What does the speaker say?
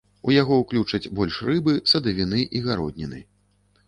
У яго ўключаць больш рыбы, садавіны і гародніны.